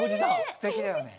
すてきだよね。